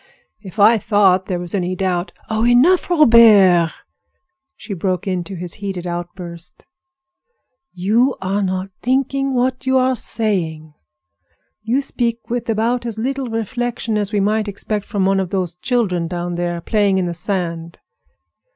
If I thought there was any doubt—" "Oh, enough, Robert!" she broke into his heated outburst. "You are not thinking of what you are saying. You speak with about as little reflection as we might expect from one of those children down there playing in the sand.